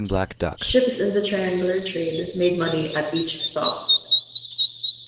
Ships in the triangular trade made money at each stop.